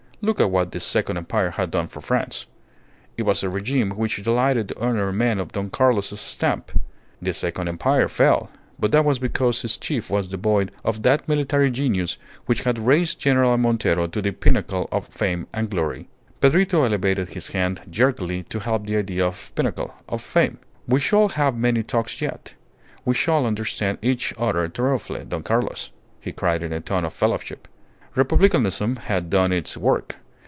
Look at what the Second Empire had done for France. It was a regime which delighted to honour men of Don Carlos's stamp. The Second Empire fell, but that was because its chief was devoid of that military genius which had raised General Montero to the pinnacle of fame and glory. Pedrito elevated his hand jerkily to help the idea of pinnacle, of fame. "We shall have many talks yet. We shall understand each other thoroughly, Don Carlos!" he cried in a tone of fellowship. Republicanism had done its work.